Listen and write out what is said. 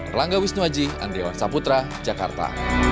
erlangga wisnuaji andriawan saputra jakarta